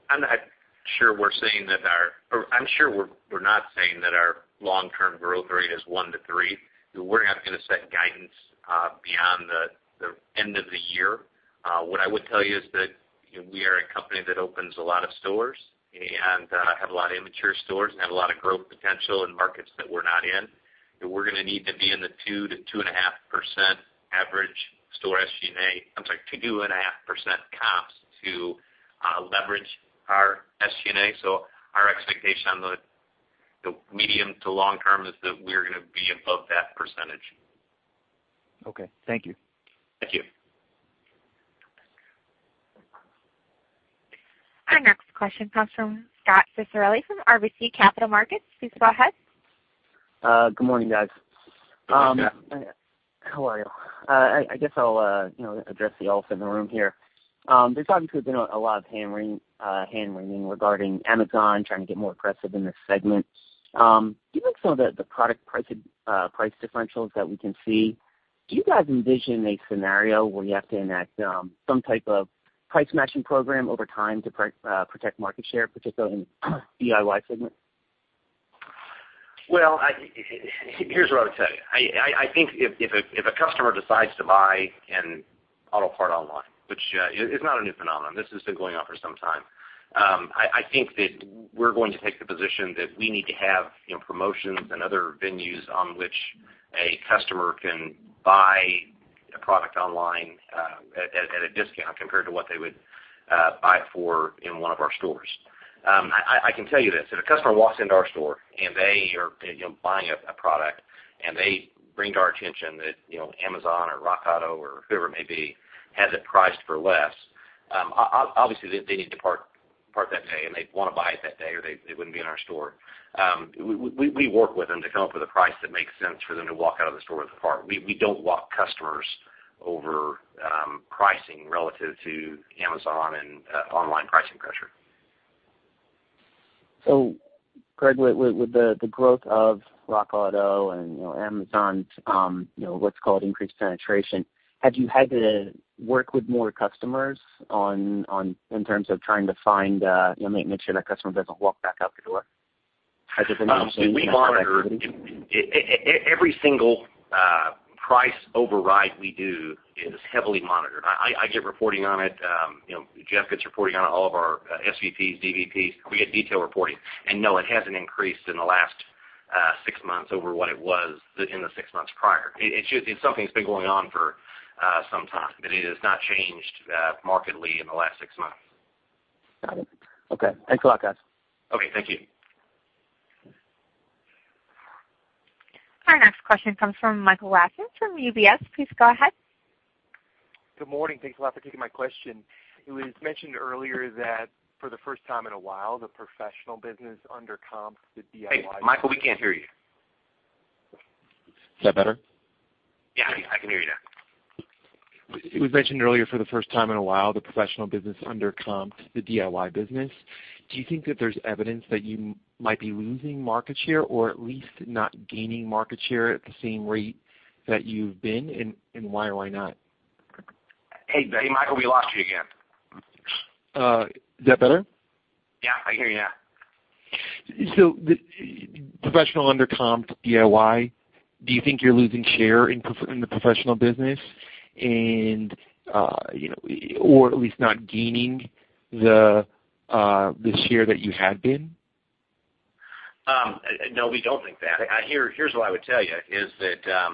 I'm sure we're not saying that our long-term growth rate is 1%-3%. We're not going to set guidance beyond the end of the year. What I would tell you is that we are a company that opens a lot of stores and have a lot of immature stores and have a lot of growth potential in markets that we're not in, that we're gonna need to be in the 2%-2.5% comps to leverage our SG&A. Our expectation on the medium to long term is that we're gonna be above that percentage. Okay. Thank you. Thank you. Our next question comes from Scot Ciccarelli from RBC Capital Markets. Please go ahead. Good morning, guys. Hey, Scot. How are you? I guess I'll address the elephant in the room here. There's obviously been a lot of hand-wringing regarding Amazon trying to get more aggressive in this segment. Given some of the product price differentials that we can see, do you guys envision a scenario where you have to enact some type of price-matching program over time to protect market share, particularly in DIY segment? Well, here's what I would say. I think if a customer decides to buy an auto part online, which is not a new phenomenon, this has been going on for some time, I think that we're going to take the position that we need to have promotions and other venues on which a customer can buy a product online at a discount compared to what they would buy it for in one of our stores. I can tell you this, that a customer walks into our store and they are buying a product and they bring to our attention that Amazon or RockAuto or whoever it may be, has it priced for less, obviously, they need the part that day and they want to buy it that day or they wouldn't be in our store. We work with them to come up with a price that makes sense for them to walk out of the store with the part. We don't walk customers over pricing relative to Amazon and online pricing pressure. Greg, with the growth of RockAuto and Amazon's, what's called increased penetration, have you had to work with more customers in terms of trying to make sure that customer doesn't walk back out the door? Has it been- Every single price override we do is heavily monitored. I get reporting on it. Jeff gets reporting on it, all of our SVPs, DVPs. We get detailed reporting. No, it hasn't increased in the last six months over what it was in the six months prior. It's something that's been going on for some time, it has not changed markedly in the last six months. Got it. Okay. Thanks a lot, guys. Okay. Thank you. Our next question comes from Michael Lasser from UBS. Please go ahead. Good morning. Thanks a lot for taking my question. It was mentioned earlier that for the first time in a while, the professional business under-comped the DIY. Hey, Michael, we can't hear you. Is that better? Yeah, I can hear you now. It was mentioned earlier for the first time in a while, the professional business under-comped the DIY business. Do you think that there's evidence that you might be losing market share or at least not gaining market share at the same rate that you've been? Why or why not? Hey, Michael, we lost you again. Is that better? Yeah, I hear you now. Professional under-comped DIY, do you think you're losing share in the professional business? Or at least not gaining the share that you had been? No, we don't think that. Here's what I would tell you, is that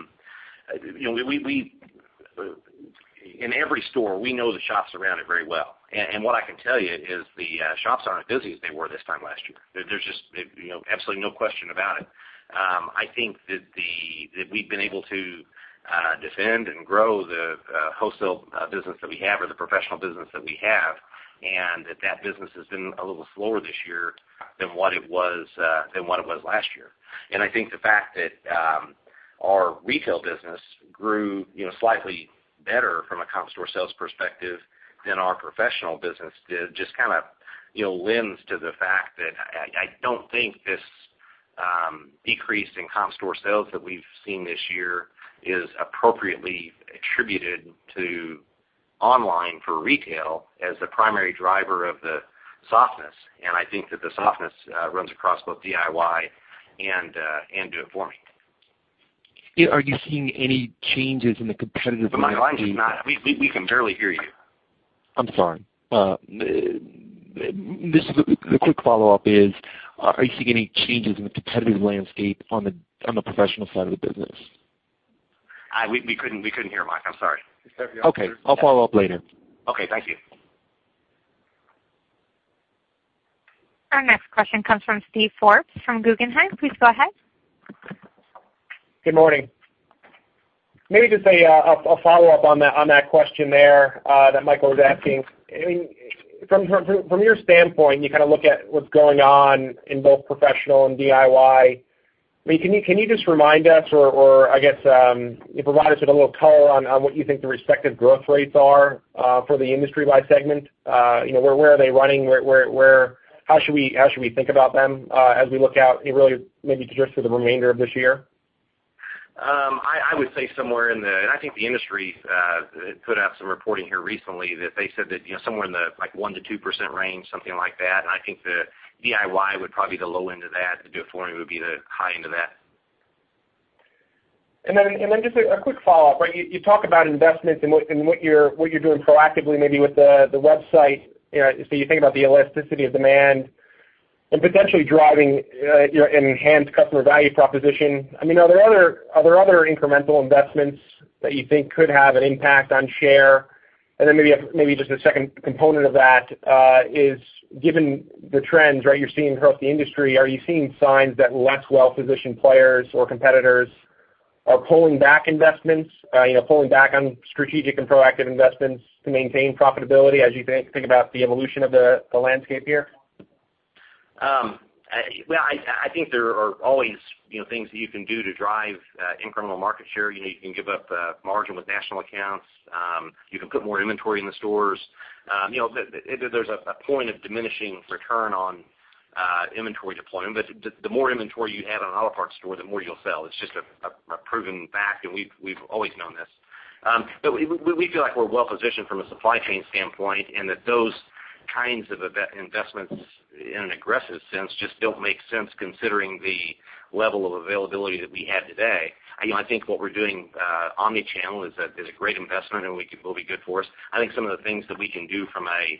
in every store, we know the shops around it very well. What I can tell you is the shops aren't as busy as they were this time last year. There's just absolutely no question about it. I think that we've been able to defend and grow the wholesale business that we have or the professional business that we have, and that business has been a little slower this year than what it was last year. I think the fact that our retail business grew slightly better from a comp store sales perspective than our professional business did just lends to the fact that I don't think this decrease in comp store sales that we've seen this year is appropriately attributed to online for retail as the primary driver of the softness. I think that the softness runs across both DIY and do it for me. Are you seeing any changes in the competitive landscape? Mike, we can barely hear you. I'm sorry. The quick follow-up is, are you seeing any changes in the competitive landscape on the professional side of the business? We couldn't hear, Mike, I'm sorry. Okay, I'll follow up later. Okay. Thank you. Our next question comes from Steven Forbes from Guggenheim. Please go ahead. Good morning. Maybe just a follow-up on that question there that Michael was asking. From your standpoint, you look at what's going on in both professional and DIY. Can you just remind us or, I guess, provide us with a little color on what you think the respective growth rates are for the industry by segment? Where are they running? How should we think about them as we look out, really maybe just for the remainder of this year? I would say I think the industry put out some reporting here recently that they said that somewhere in the 1%-2% range, something like that. I think the DIY would probably be the low end of that, the do-it-for-me would be the high end of that. Then just a quick follow-up. You talk about investments and what you're doing proactively maybe with the website. You think about the elasticity of demand and potentially driving enhanced customer value proposition. Are there other incremental investments that you think could have an impact on share? Then maybe just a second component of that is, given the trends you're seeing across the industry, are you seeing signs that less well-positioned players or competitors are pulling back investments, pulling back on strategic and proactive investments to maintain profitability as you think about the evolution of the landscape here? Well, I think there are always things that you can do to drive incremental market share. You can give up margin with national accounts. You can put more inventory in the stores. There's a point of diminishing return on inventory deployment, the more inventory you have in an auto parts store, the more you'll sell. It's just a proven fact, we've always known this. We feel like we're well-positioned from a supply chain standpoint, and that those kinds of investments in an aggressive sense just don't make sense considering the level of availability that we have today. I think what we're doing, omni-channel, is a great investment and will be good for us. I think some of the things that we can do from a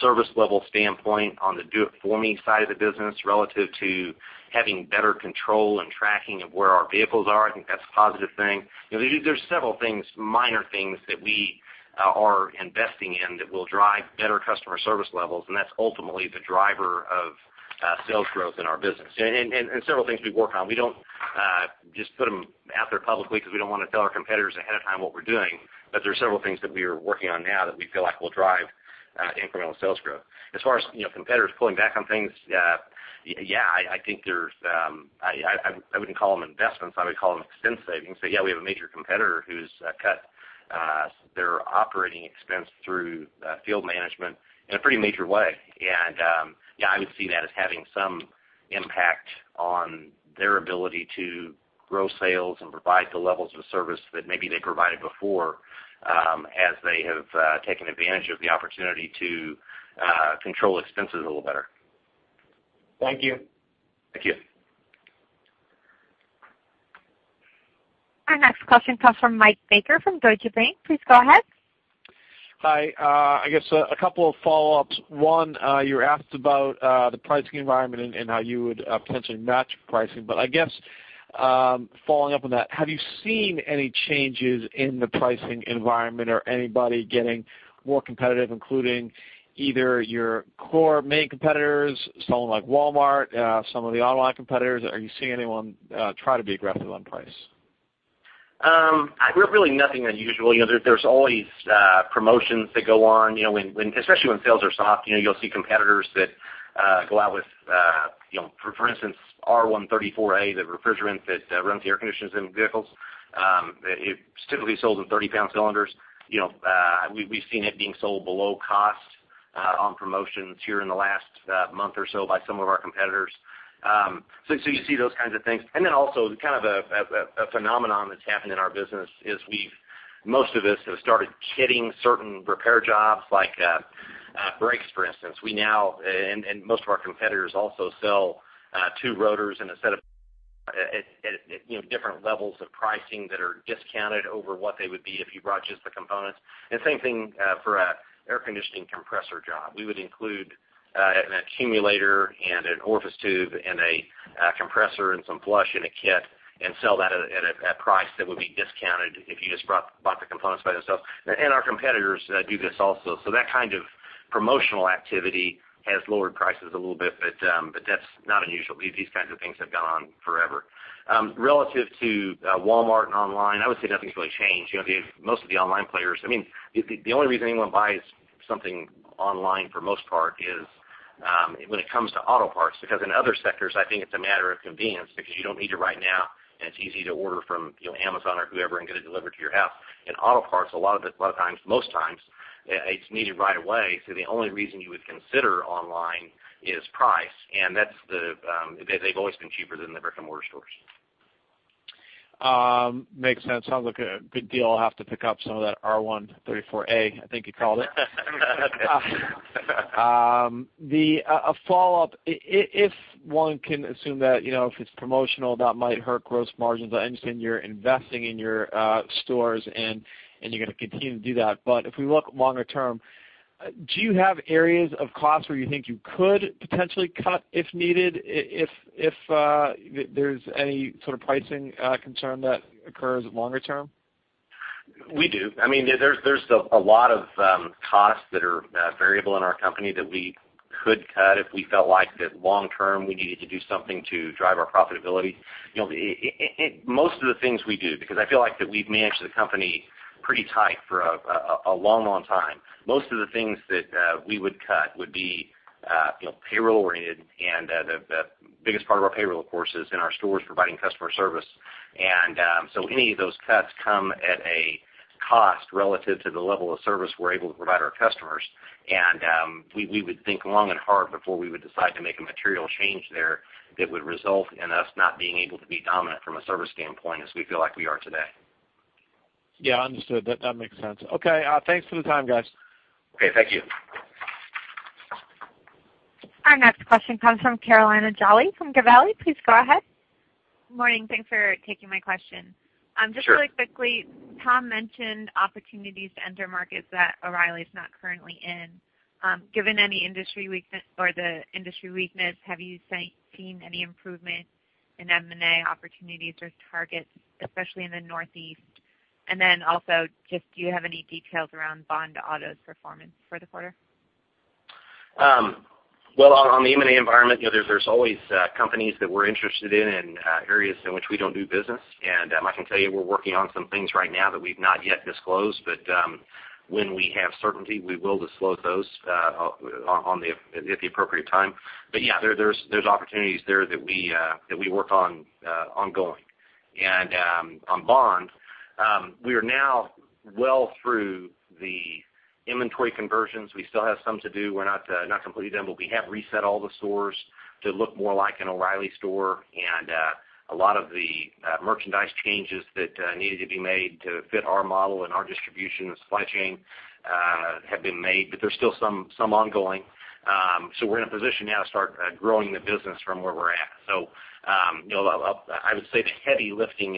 service level standpoint on the do-it-for-me side of the business relative to having better control and tracking of where our vehicles are, I think that's a positive thing. There's several things, minor things that we are investing in that will drive better customer service levels, that's ultimately the driver of sales growth in our business. Several things we work on, we don't just put them out there publicly because we don't want to tell our competitors ahead of time what we're doing. There are several things that we are working on now that we feel like will drive incremental sales growth. As far as competitors pulling back on things, yeah, I think there's, I wouldn't call them investments, I would call them expense savings. yeah, we have a major competitor who's cut their operating expense through field management in a pretty major way. yeah, I would see that as having some impact on their ability to grow sales and provide the levels of service that maybe they provided before, as they have taken advantage of the opportunity to control expenses a little better. Thank you. Thank you. Our next question comes from Mike Baker from Deutsche Bank. Please go ahead. Hi. I guess a couple of follow-ups. One, you were asked about the pricing environment and how you would potentially match pricing. I guess following up on that, have you seen any changes in the pricing environment or anybody getting more competitive, including either your core main competitors, someone like Walmart, some of the online competitors? Are you seeing anyone try to be aggressive on price? Really nothing unusual. There's always promotions that go on, especially when sales are soft, you'll see competitors that go out with, for instance, R134a, the refrigerant that runs the air conditioners in vehicles. It typically sells in 30-pound cylinders. We've seen it being sold below cost on promotions here in the last month or so by some of our competitors. You see those kinds of things. Also, kind of a phenomenon that's happened in our business is most of us have started kitting certain repair jobs like brakes, for instance. We now, and most of our competitors also sell two rotors and a set of at different levels of pricing that are discounted over what they would be if you brought just the components. Same thing for an air conditioning compressor job. We would include an accumulator and an orifice tube and a compressor and some flush in a kit and sell that at a price that would be discounted if you just bought the components by themselves. Our competitors do this also. That kind of promotional activity has lowered prices a little bit, but that's not unusual. These kinds of things have gone on forever. Relative to Walmart and online, I would say nothing's really changed. Most of the online players, the only reason anyone buys something online for the most part is when it comes to auto parts, because in other sectors, I think it's a matter of convenience because you don't need it right now, and it's easy to order from Amazon or whoever and get it delivered to your house. In auto parts, a lot of times, most times, it's needed right away. The only reason you would consider online is price, and they've always been cheaper than the brick-and-mortar stores. Makes sense. Sounds like a good deal. I'll have to pick up some of that R134a, I think you called it. A follow-up, if one can assume that if it's promotional, that might hurt gross margins, I understand you're investing in your stores and you're going to continue to do that. If we look longer term, do you have areas of cost where you think you could potentially cut if needed, if there's any sort of pricing concern that occurs longer term? We do. There's a lot of costs that are variable in our company that we could cut if we felt like that long term, we needed to do something to drive our profitability. Most of the things we do, because I feel like that we've managed the company pretty tight for a long, long time. Most of the things that we would cut would be payroll-oriented and the biggest part of our payroll, of course, is in our stores providing customer service. So any of those cuts come at a cost relative to the level of service we're able to provide our customers. We would think long and hard before we would decide to make a material change there that would result in us not being able to be dominant from a service standpoint as we feel like we are today. Yeah, understood. That makes sense. Okay, thanks for the time, guys. Okay. Thank you. Our next question comes from Carolina Jolly from Gabelli. Please go ahead. Good morning. Thanks for taking my question. Sure. Just really quickly, Tom mentioned opportunities to enter markets that O’Reilly's not currently in. Given any industry weakness or the industry weakness, have you seen any improvement in M&A opportunities or targets, especially in the Northeast? Also, just do you have any details around Bond Auto's performance for the quarter? Well, on the M&A environment, there's always companies that we're interested in and areas in which we don't do business. I can tell you we're working on some things right now that we've not yet disclosed, but when we have certainty, we will disclose those at the appropriate time. Yeah, there's opportunities there that we work on ongoing. On Bond, we are now well through the inventory conversions. We still have some to do. We're not completely done, but we have reset all the stores to look more like an O’Reilly store. A lot of the merchandise changes that needed to be made to fit our model and our distribution and supply chain have been made, but there's still some ongoing. We're in a position now to start growing the business from where we're at. I would say the heavy lifting,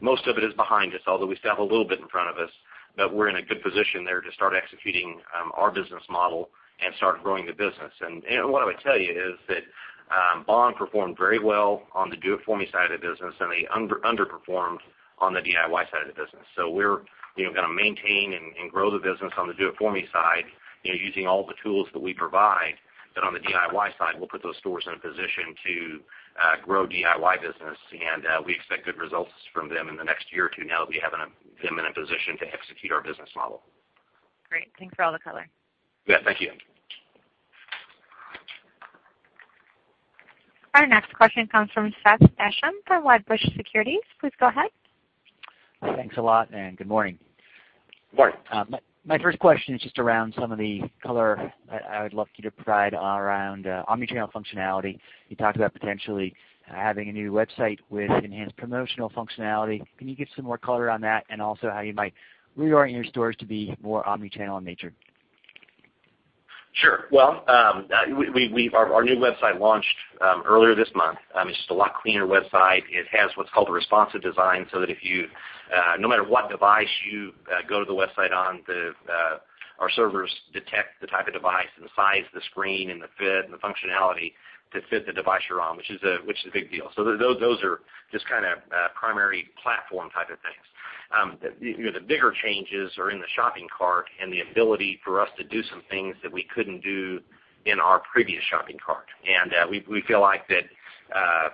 most of it is behind us, although we still have a little bit in front of us, but we're in a good position there to start executing our business model and start growing the business. What I would tell you is that Bond performed very well on the do it for me side of the business, they underperformed on the DIY side of the business. We're going to maintain and grow the business on the do it for me side, using all the tools that we provide. On the DIY side, we'll put those stores in a position to grow DIY business, and we expect good results from them in the next year or two now that we have them in a position to execute our business model. Great. Thanks for all the color. Yeah. Thank you. Our next question comes from Seth Basham from Wedbush Securities. Please go ahead. Thanks a lot and good morning. Morning. My first question is just around some of the color I would love for you to provide around omni-channel functionality. You talked about potentially having a new website with enhanced promotional functionality. Can you give some more color on that and also how you might reorient your stores to be more omni-channel in nature? Sure. Well, our new website launched earlier this month. It's just a lot cleaner website. It has what's called a responsive design so that no matter what device you go to the website on, our servers detect the type of device and the size of the screen and the fit and the functionality to fit the device you're on, which is a big deal. Those are just kind of primary platform type of things. The bigger changes are in the shopping cart and the ability for us to do some things that we couldn't do in our previous shopping cart. We feel like that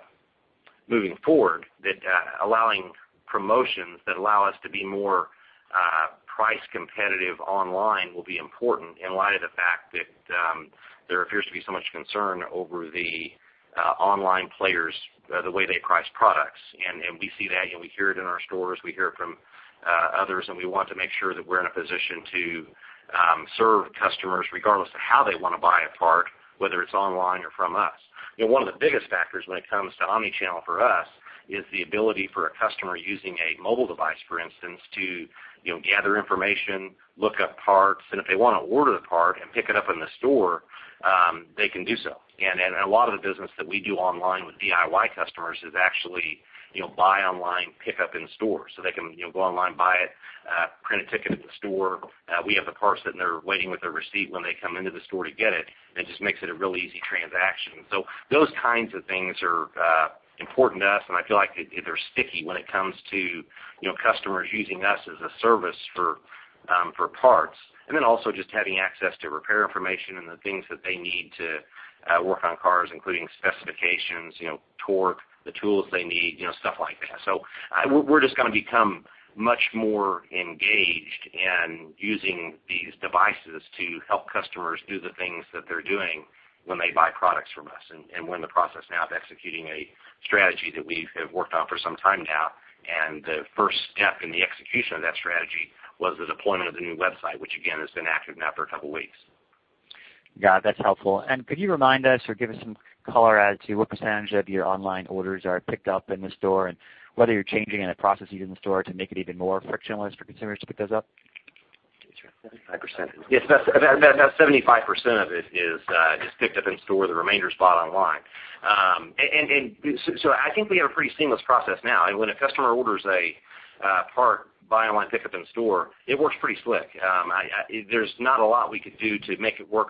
moving forward, that allowing promotions that allow us to be more price competitive online will be important in light of the fact that there appears to be so much concern over the online players, the way they price products. We see that and we hear it in our stores, we hear it from others, and we want to make sure that we're in a position to serve customers regardless of how they want to buy a part, whether it's online or from us. One of the biggest factors when it comes to omni-channel for us is the ability for a customer using a mobile device, for instance, to gather information, look up parts, and if they want to order the part and pick it up in the store, they can do so. A lot of the business that we do online with DIY customers is actually buy online, pick up in store. They can go online, buy it, print a ticket at the store. We have the part sitting there waiting with their receipt when they come into the store to get it. It just makes it a really easy transaction. Those kinds of things are important to us, and I feel like they're sticky when it comes to customers using us as a service for parts. Also just having access to repair information and the things that they need to work on cars, including specifications, torque, the tools they need, stuff like that. We're just going to become much more engaged in using these devices to help customers do the things that they're doing when they buy products from us. We're in the process now of executing a strategy that we have worked on for some time now. The first step in the execution of that strategy was the deployment of the new website, which again, has been active now for a couple of weeks. Yeah, that's helpful. Could you remind us or give us some color as to what percentage of your online orders are picked up in the store, and whether you're changing any processes in the store to make it even more frictionless for consumers to pick those up? About 75% of it is just picked up in store, the remainder is bought online. I think we have a pretty seamless process now. When a customer orders a part, buy online, pick up in store, it works pretty slick. There's not a lot we could do to make it work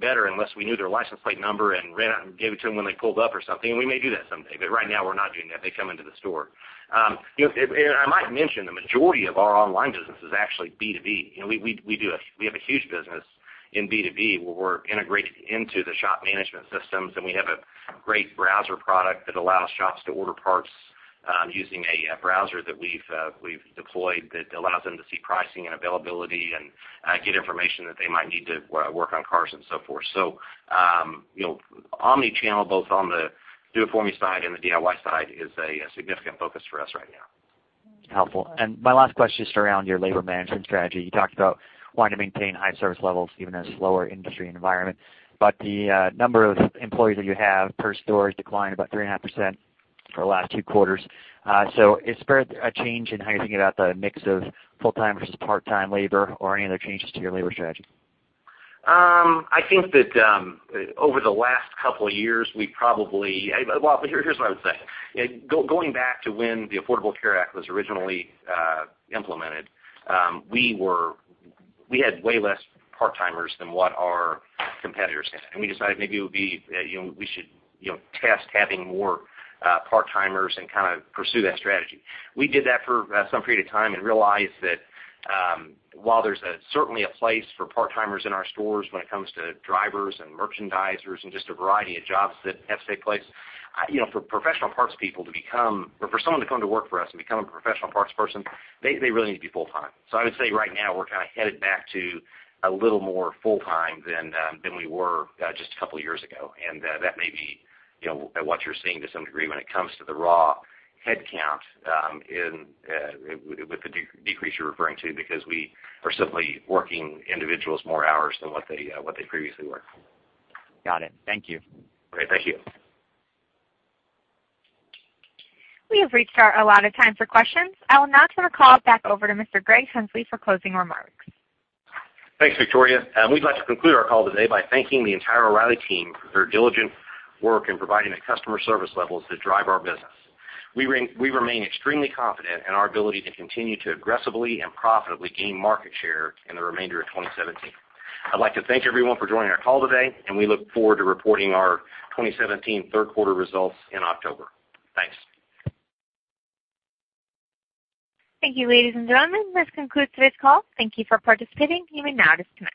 better unless we knew their license plate number and gave it to them when they pulled up or something, and we may do that someday, but right now we're not doing that. They come into the store. I might mention, the majority of our online business is actually B2B. We have a huge business in B2B, where we're integrated into the shop management systems, and we have a great browser product that allows shops to order parts using a browser that we've deployed that allows them to see pricing and availability and get information that they might need to work on cars and so forth. Omni-channel, both on the do-it-for-me side and the DIY side, is a significant focus for us right now. Helpful. My last question, just around your labor management strategy. You talked about wanting to maintain high service levels even in a slower industry environment, but the number of employees that you have per store has declined about 3.5% for the last two quarters. Is there a change in how you're thinking about the mix of full-time versus part-time labor or any other changes to your labor strategy? I think that over the last couple of years, Well, here's what I would say. Going back to when the Affordable Care Act was originally implemented, we had way less part-timers than what our competitors had, and we decided maybe we should test having more part-timers and kind of pursue that strategy. We did that for some period of time and realized that while there's certainly a place for part-timers in our stores when it comes to drivers and merchandisers and just a variety of jobs that have to take place, for professional parts people to become, or for someone to come to work for us and become a professional parts person, they really need to be full-time. I would say right now, we're kind of headed back to a little more full-time than we were just a couple of years ago. That may be what you're seeing to some degree when it comes to the raw headcount with the decrease you're referring to, because we are simply working individuals more hours than what they previously were. Got it. Thank you. Great. Thank you. We have reached our allotted time for questions. I will now turn the call back over to Mr. Henslee please for closing remarks. Thanks, Victoria. We'd like to conclude our call today by thanking the entire O'Reilly team for their diligent work in providing the customer service levels that drive our business. We remain extremely confident in our ability to continue to aggressively and profitably gain market share in the remainder of 2017. I'd like to thank everyone for joining our call today, and we look forward to reporting our 2017 third-quarter results in October. Thanks. Thank you, ladies and gentlemen. This concludes today's call. Thank you for participating. You may now disconnect.